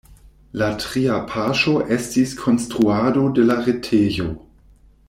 La tria paŝo estis konstruado de la retejo.